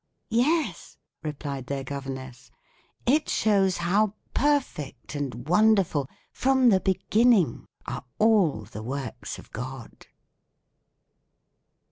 "Yes," replied their governess; "it shows how perfect and wonderful, from the beginning, are all the works of God."